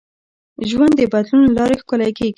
ژوند د بدلون له لارې ښکلی کېږي.